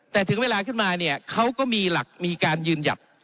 แต่ถึงเวลาขึ้นมาเนี่ยเขาก็มีหลักมีการยืนหยัด